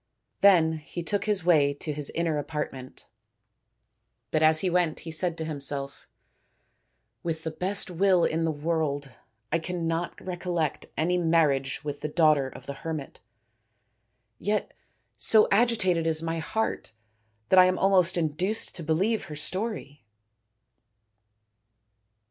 Then he took his way to his inner apart ment, but as he went he said to himself: "With the best will in the world, I cannot recollect any marriage with the daughter of the hermit. Yet so agitated is my heart that I am almost induced to believe her story."